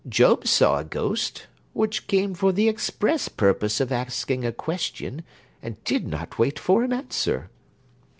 Job saw a ghost, which came for the express purpose of asking a question, and did not wait for an answer.